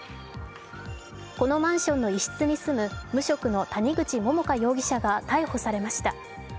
このマンションの一室に住む無職の谷口桃花容疑者が逮捕されました。